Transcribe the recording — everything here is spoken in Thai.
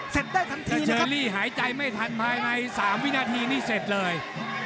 ได้ทันทีเชอรี่หายใจไม่ทันภายใน๓วินาทีนี่เสร็จเลย